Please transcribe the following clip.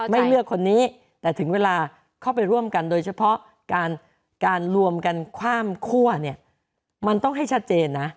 ไม่เลือกคนนี้แต่ถึงเวลาเข้าไปร่วมกันโดยเฉพาะการรวมกันความคั่วเนี่ยมันต้องให้ชัดเจนนะ